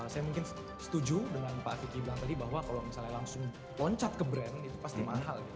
saya mungkin setuju dengan pak fiki bilang tadi bahwa kalau misalnya langsung loncat ke brand itu pasti mahal gitu